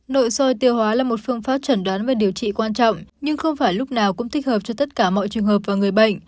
nội soi tiêu hóa là một phương pháp chẩn đoán và điều trị quan trọng nhưng không phải lúc nào cũng thích hợp cho tất cả mọi trường hợp và người bệnh